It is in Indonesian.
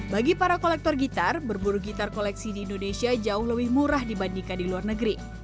bagi para kolektor gitar berburu gitar koleksi di indonesia jauh lebih murah dibandingkan di luar negeri